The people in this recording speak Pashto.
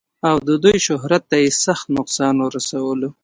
او د دوي شهرت تۀ ئې سخت نقصان اورسولو